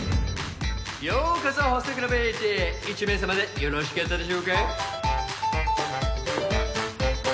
ようこそホストクラブエーイチへ１名様でよろしかったでしょうか？